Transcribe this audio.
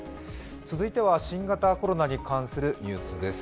続いては新型コロナに関するニュースです。